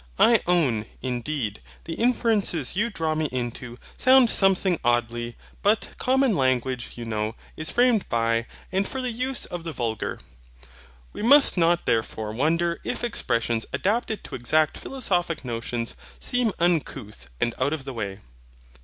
I own, indeed, the inferences you draw me into sound something oddly; but common language, you know, is framed by, and for the use of the vulgar: we must not therefore wonder if expressions adapted to exact philosophic notions seem uncouth and out of the way.